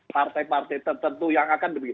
partai partai tertentu yang akan